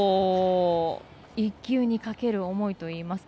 一球にかける思いといいますか。